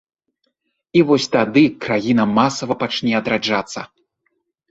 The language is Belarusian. І вось тады краіна масава пачне адраджацца.